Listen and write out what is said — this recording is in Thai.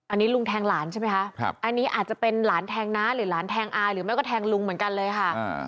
อันนี้ลุงแทงหลานใช่ไหมคะอันนี้อาจจะเป็นหลานแทงน้าหรือหลานแทงอายหรือไม่ก็แทงลุงเหมือนกันเลยค่ะ